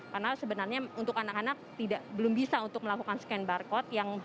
karena sebenarnya untuk anak anak belum bisa untuk melakukan scan barcode